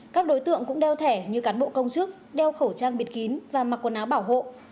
các đối tượng cũng đeo thẻ như cán bộ công chức đeo khẩu trang bịt kín và mặc quần áo bảo hộ